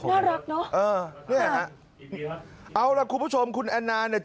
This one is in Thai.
น่ารักเนอะ